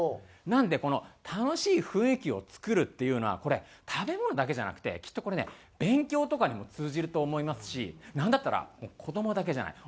なので楽しい雰囲気を作るっていうのはこれ食べ物だけじゃなくてきっとこれね勉強とかにも通じると思いますしなんだったら子どもだけじゃない。